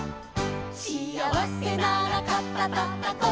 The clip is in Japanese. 「しあわせなら肩たたこう」「」